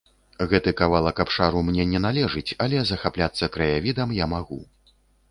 Гэты кавалак абшару мне не належыць, але захапляцца краявідам я магу.